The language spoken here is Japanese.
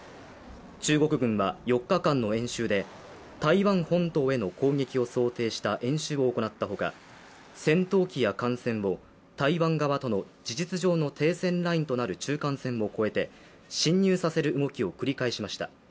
中国軍は４日間の演習で台湾本島への攻撃を想定した演習を行ったほか戦闘機や艦船を台湾側との事実上の停戦ラインとなる中間線を越えて侵入させる動きを繰り返しました。